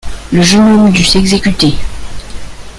Le jeune homme dut s'exécuter.